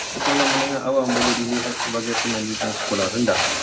Sekolah menengah awam boleh dilihat sebagai pelanjutan sekolah rendah.